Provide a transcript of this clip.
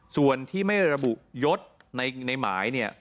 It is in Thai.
ส่วนที่ไม่ระบุยศในหมายเนี่ย